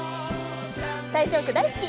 大正区大好き！